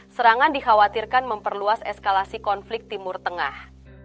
serangan dikhawatirkan memperluas eskalasi konflik timur tengah